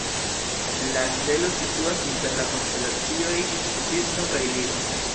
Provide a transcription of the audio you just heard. La stelo situas inter la konstelacioj Cigno kaj Liro.